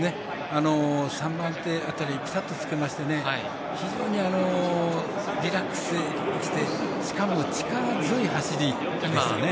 ３番手辺りぴたっとつけまして非常にリラックスしてしかも、力強い走りでしたね。